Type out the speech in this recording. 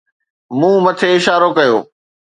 مون مٿي اشارو ڪيو